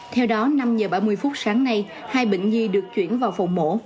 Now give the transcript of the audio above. theo đó năm h ba mươi phút sáng nay hai bệnh nhi được chuyển vào phòng mổ